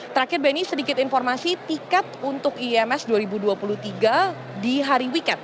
terakhir benny sedikit informasi tiket untuk ims dua ribu dua puluh tiga di hari weekend